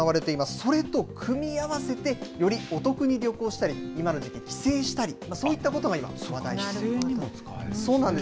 それと組み合わせて、よりお得に旅行したり、今の時期、帰省したり、そういったことが今、話題になっています。